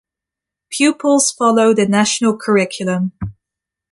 Pupils follow the National Curriculum.